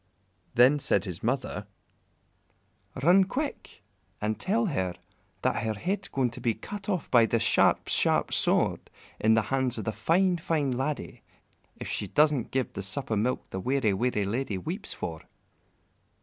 Then said his mother, "Run quick and tell her that her head's going to be cut off by the sharp, sharp sword in the hands of the fine, fine laddie, if she doesn't give the sup o' milk the weary, weary lady weeps for."